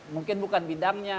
mungkin bukan bidangnya